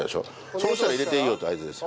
そうしたら入れていいよって合図です。